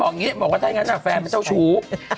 บอกอย่างงี้บอกว่าถ้างั้นแฟนเจ้าชู